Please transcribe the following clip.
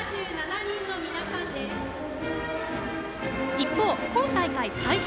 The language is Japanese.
一方今大会最多